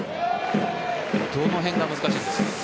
どの辺が難しいんですか？